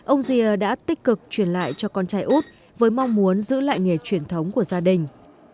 ông rìa đã tích cực truyền lại cho con trai út với mong muốn giữ lại nghề truyền thống của gia đình